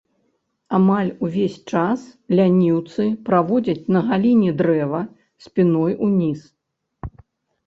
Амаль увесь час ляніўцы праводзяць, на галіне дрэва спіной ўніз.